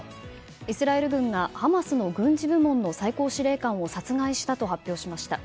イスラエル軍がハマスの軍事部門の最高司令官を殺害したと発表しました。